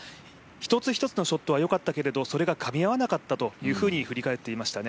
一つ一つのショットはよかったけれど、それがかみ合わなかったと振り返っていましたね。